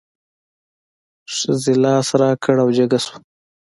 ښځې لاس را کړ او جګه شوه.